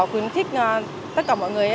khuyến khích tất cả mọi người